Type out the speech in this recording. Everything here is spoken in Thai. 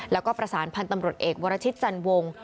แล้วก็ประสานพันธุ์ตำรวจเอกวรชิตจันวง